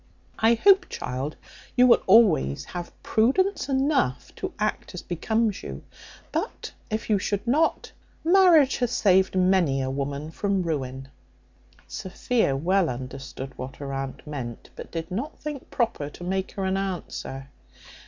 I hope, child, you will always have prudence enough to act as becomes you; but if you should not, marriage hath saved many a woman from ruin." Sophia well understood what her aunt meant; but did not think proper to make her an answer.